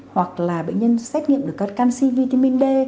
hoặc là bệnh nhân xét nghiệm được các canc vitamin d